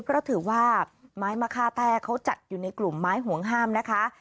เพราะถือว่าไม้มะค่าแต้เขาจัดอยู่ในกลุ่มไม้ห่วงห้ามนะคะ